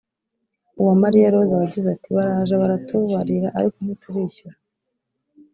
Uwamariya Rose wagize ati “baraje baratubarira ariko ntiturishyurwa